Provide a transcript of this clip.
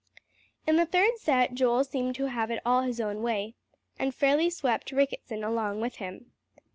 In the third set, Joel seemed to have it all his own way, and fairly swept Ricketson along with him.